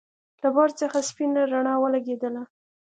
له بهر څخه سپينه رڼا ولګېدله.